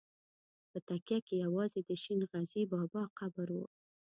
په تکیه کې یوازې د شین غزي بابا قبر و.